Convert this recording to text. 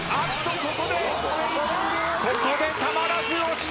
ここでここでたまらず押した！